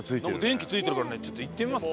電気ついてるからねちょっと行ってみます？